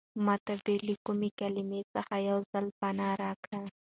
ما ته بې له کومې کلمې څخه یو ځل پناه راکړه.